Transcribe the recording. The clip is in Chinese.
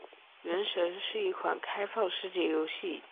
《原神》是一款开放世界游戏。